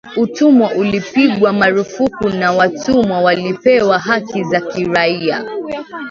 Utumwa ulipigwa marufuku na watumwa walipewa haki za kiraia